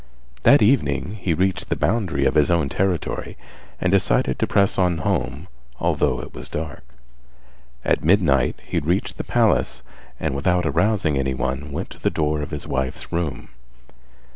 That evening he reached the boundary of his own territory and decided to press on home although it was dark; at midnight he reached the palace and without arousing anyone went to the door of his wife's room.